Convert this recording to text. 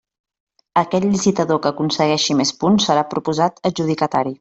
Aquell licitador que aconsegueixi més punts serà proposat adjudicatari.